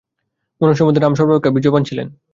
মনুষ্যমধ্যে রাম সর্বাপেক্ষা বীর্যবান ছিলেন।